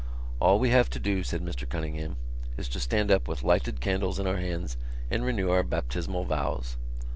"All we have to do," said Mr Cunningham, "is to stand up with lighted candles in our hands and renew our baptismal vows."